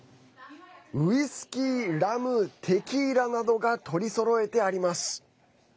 ウイスキーラム、テキーラなどが取りそろえてあります。